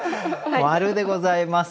○でございます。